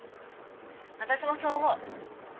私もそう思う。